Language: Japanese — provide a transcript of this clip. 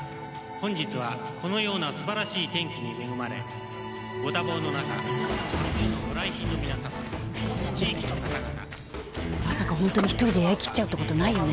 本日はこのような素晴らしい天気に恵まれご多忙の中多数のご来賓の皆様地域の方々まさか本当に一人でやりきっちゃうってことないよね